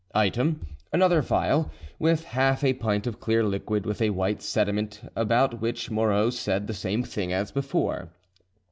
"Item, another phial, with half a pint of clear liquid with a white sediment, about which Moreau said the same thing as before.